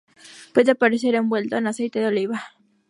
Puede aparecer envuelto en aceite de oliva.